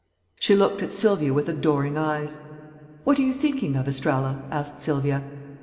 She looked at Sylvia with adoring eyes. "What are you thinking of, Estralla?" asked Sylvia.